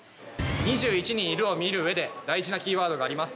「２１人いる！」を見る上で大事なキーワードがあります。